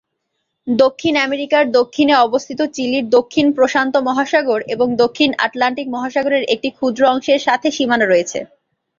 দক্ষিণ আমেরিকার দক্ষিণে অবস্থিত চিলির দক্ষিণ প্রশান্ত মহাসাগর এবং দক্ষিণ আটলান্টিক মহাসাগরের একটি ক্ষুদ্র অংশের সাথে সীমানা রয়েছে।